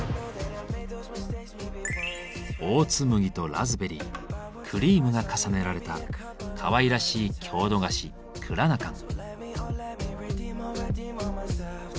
オーツ麦とラズベリークリームが重ねられたかわいらしい郷土菓子「クラナカン」。